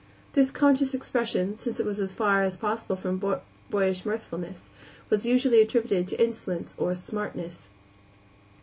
This conscious expression, since it was as far as possible from boyish mirthfulness, was usually attributed to insolence or "smartness."